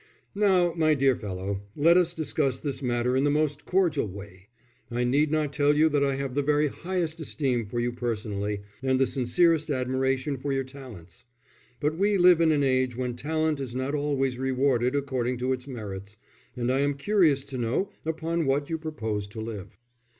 "Now, my dear fellow, let us discuss this matter in the most cordial way. I need not tell you that I have the very highest esteem for you personally, and the sincerest admiration for your talents. But we live in an age when talent is not always rewarded according to its merits, and I am curious to know upon what you propose to live."